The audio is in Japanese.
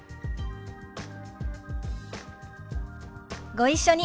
ご一緒に。